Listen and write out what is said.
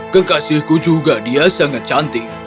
kekasihku juga dia sangat cantik